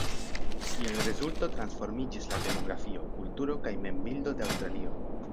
Kiel rezulto transformiĝis la demografio, kulturo kaj mem-bildo de Aŭstralio.